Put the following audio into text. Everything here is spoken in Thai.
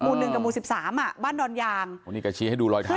หมู่หนึ่งกับหมู่สิบสามอ่ะบ้านดอนยางอันนี้กระชี้ให้ดูลอยเท้า